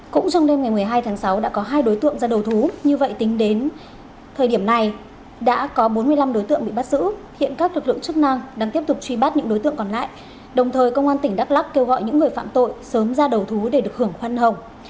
cũng trong đêm ngày một mươi hai tháng sáu đã có hai đối tượng ra đầu thú như vậy tính đến thời điểm này đã có bốn mươi năm đối tượng bị bắt giữ hiện các lực lượng chức năng đang tiếp tục truy bắt những đối tượng còn lại đồng thời công an tỉnh đắk lắc kêu gọi những người phạm tội sớm ra đầu thú để được hưởng khoan hồng